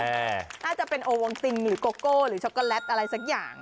น่าจะเป็นโอวงตินหรือโกโก้หรือช็อกโกแลตอะไรสักอย่าง